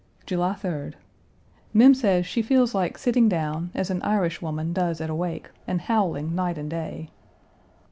July 3d. Mem says she feels like sitting down, as an Irishwoman does at a wake, and howling night and day.